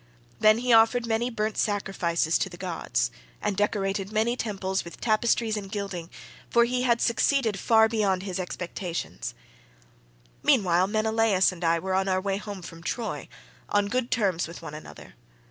Then he offered many burnt sacrifices to the gods, and decorated many temples with tapestries and gilding, for he had succeeded far beyond his expectations. "Meanwhile Menelaus and I were on our way home from Troy, on good terms with one another.